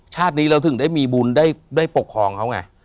ชาตินี้เราถึงได้มีบุญได้ปกครองเขาไง